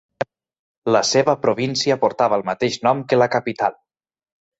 La seva província portava el mateix nom que la capital.